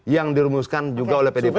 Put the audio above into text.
yang dirumuskan juga oleh pdp perjuangan